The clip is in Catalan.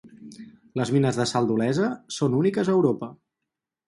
Les mines de sal d'Olesa són úniques a Europa.